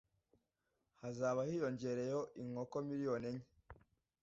hazaba hiyongereyeho inkoko miliyoni enye.